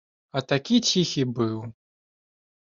А такі ціхі быў.